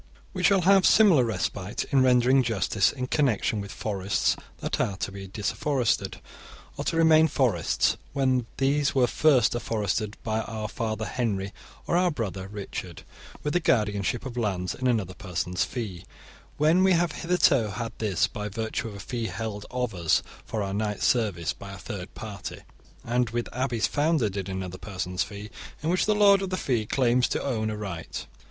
* We shall have similar respite in rendering justice in connexion with forests that are to be disafforested, or to remain forests, when these were first aforested by our father Henry or our brother Richard; with the guardianship of lands in another persons fee, when we have hitherto had this by virtue of a fee held of us for knights service by a third party; and with abbeys founded in another persons fee, in which the lord of the fee claims to own a right.